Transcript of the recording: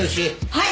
はい。